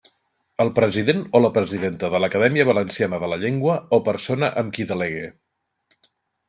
El president o la presidenta de l'Acadèmia Valenciana de la Llengua o persona en qui delegue.